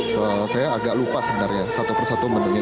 soalnya saya agak lupa sebenarnya satu persatu menu nya